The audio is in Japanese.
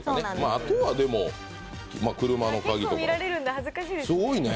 あとは、でも車の鍵とか、すごいね。